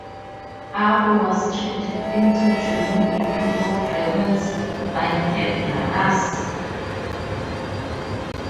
Abo was tricked into joining a group of rebels by her brothers.